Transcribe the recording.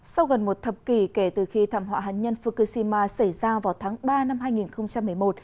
sau gần một thập kỷ kể từ khi thảm họa hạt nhân fukushima xảy ra vào tháng ba năm hai nghìn một mươi một